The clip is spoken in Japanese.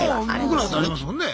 僕らだってありますもんね。